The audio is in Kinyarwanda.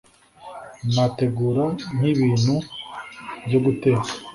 nategura nk’ibintu byo guteka